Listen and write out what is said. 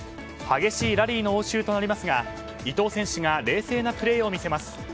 激しいラリーの応酬となりますが伊藤選手が冷静なプレーを見せます。